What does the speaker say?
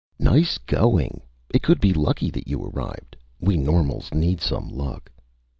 "Nice going! It could be lucky that you arrived. We normals need some luck!"